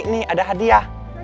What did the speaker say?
ini ada hadiah